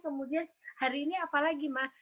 kemudian hari ini apalagi ma